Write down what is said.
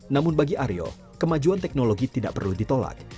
namun bagi aryo kemajuan teknologi tidak perlu ditolak